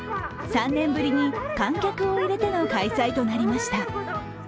３年ぶりに観客を入れての開催となりました。